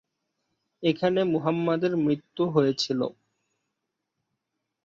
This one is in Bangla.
এখানে মুহাম্মাদের মৃত্যু হয়েছিল।